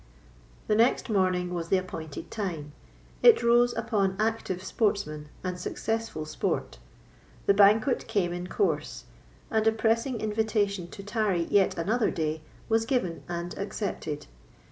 The next morning was the appointed time. It rose upon active sportsmen and successful sport. The banquet came in course; and a pressing invitation to tarry yet another day was given and accepted.